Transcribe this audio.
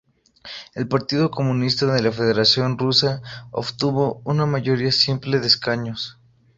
El Partido Comunista de la Federación Rusa obtuvo una mayoría simple de escaños.